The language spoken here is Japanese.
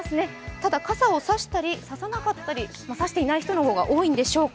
ただ傘を差したり差さなかったり、差していない人の方が多いんでしょうか。